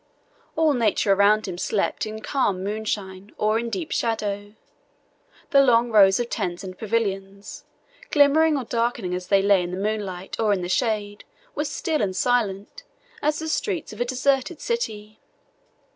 All nature around him slept in calm moon shine or in deep shadow. The long rows of tents and pavilions, glimmering or darkening as they lay in the moonlight or in the shade, were still and silent as the streets of a deserted city.